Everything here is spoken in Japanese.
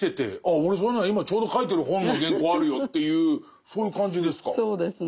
俺それなら今ちょうど書いてる本の原稿あるよというそういう感じですか。